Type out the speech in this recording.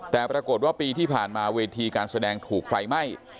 แต่ปรากฏว่าปีที่ผ่านมาเวทีการแสดงถูกไฟไหม้